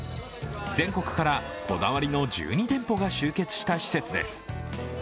全国からこだわりの１２店舗が集結した施設です。